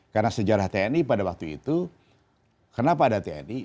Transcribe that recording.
karena sejarah tni pada waktu itu kenapa ada tni